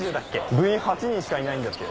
部員８人しかいないんだってよ。